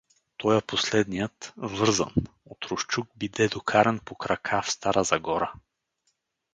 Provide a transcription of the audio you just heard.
Тоя последният, вързан, от Русчук биде докаран по крака в Стара Загора.